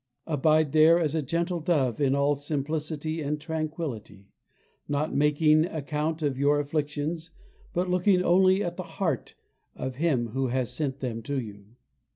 Abide there as a gentle dove in all simplicity and tranquility, not making account of your afflictions but looking only at the Heart of Him who has sent them to you.